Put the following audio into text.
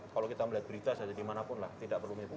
kalau kita melihat berita saja dimanapun lah tidak perlu mengikuti